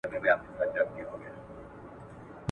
د جګړې په ډګر کي وینه تویېږي.